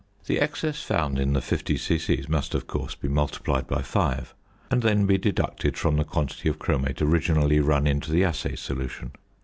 The excess found in the 50 c.c. must, of course, be multiplied by five, and then be deducted from the quantity of chromate originally run into the assay solution.